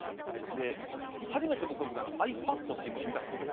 で初めて僕その時ｉＰａｄっていうものを見たんですよ。